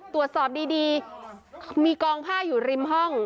ตรวจสอบดีมีกองผ้าอยู่ริมห้อง